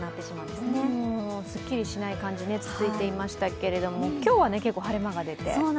すっきりしない感じが続いていましたけれども、今日は結構、晴れ間が出て。